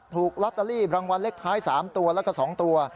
ถูกลอตเตอรี่รางวัลเลขท้าย๓ตัวแล้วก็๒ตัว